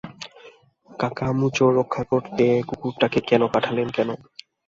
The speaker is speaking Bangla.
কাকামুচো রক্ষা করতে কুকুরটাকে কেন পাঠালেন কেন?